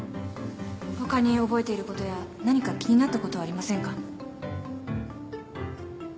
他に覚えていることや何か気になったことはありませんか。